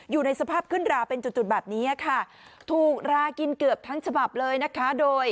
อยู่ในสภาพขึ้นราเป็นจุดแบบนี้ค่ะถูกรากินเกือบทั้งฉบับเลยนะคะโดย